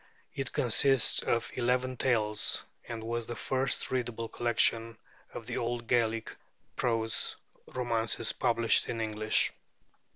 It consists of eleven tales, and was the first readable collection of the old Gaelic prose romances published in English.